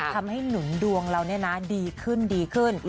ทำให้หนึ่งดวงเราเนี่ยนะดีขึ้น